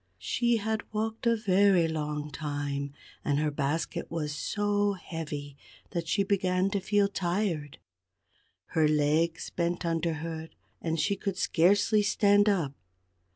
She had walked a very long time, and her basket was so heavy that she began to feel tired. Her legs bent under her and she could scarcely stand up.